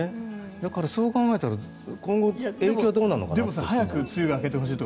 だから、そう考えたら今後、影響どうなのかなって。